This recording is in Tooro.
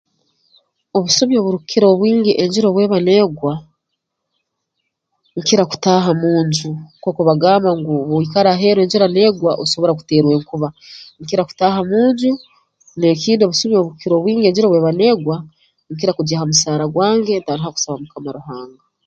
Obusumi oburukukira obwingi enjura obu eba neegwa nkira kutaaha mu nju nkooku bagamba ngu obu oikara aheeru enjura negwa osobora kuterwa enkuba nkira kutaaha mu nju n'ekindi obusumi oburukukira obwingi enjura obu eba neegwa nkira kugya ha musaara gwange ntandika kusaba Mukama Ruhanga